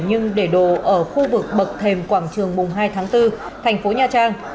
nhưng để đồ ở khu vực bậc thềm quảng trường mùng hai tháng bốn thành phố nha trang